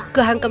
không có em